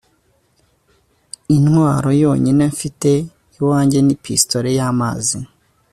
intwaro yonyine mfite iwanjye ni pistolet y'amazi